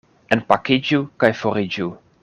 Enpakiĝu kaj foriĝu.